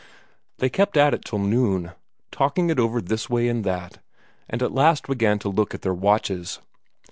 They kept at it till noon, talking it over this way and that, and at last began to look at their watches.